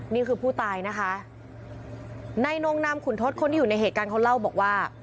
นี่คือผู้ตายนะคะในนงนามขุนทศคนที่อยู่ในเหตุการณ์เขาเล่าบอกว่า